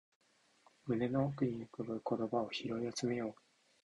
胸の奥に浮かぶ言葉を拾い集めよう